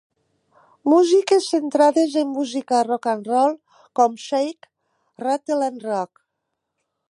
Músiques centrades en música rock-and-roll, com Shake, Rattle and Rock!